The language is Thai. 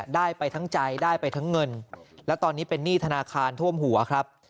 ได้ไปทั้งใจได้ไปทั้งเงินและตอนนี้เป็นหนี้ธนาคารท่วมหัวครับ